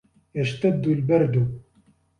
يَشْتَدُّ الْبَرْدُ.